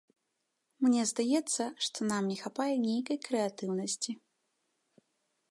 Мне здаецца, што нам не хапае нейкай крэатыўнасці.